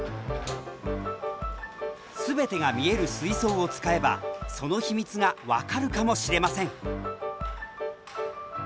全てが見える水槽を使えばその秘密が分かるかもしれません。